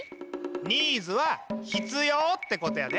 ｎｅｅｄｓはひつようってことやで。